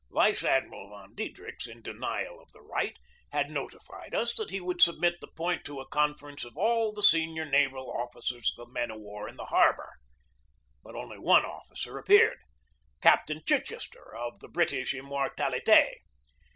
Vice Admiral von Diedrichs, in denial of the right, had notified us that he would submit the point to a conference of all the senior officers of the men of war in the harbor. But only one officer appeared, Cap tain Chichester, of the British Immortalite.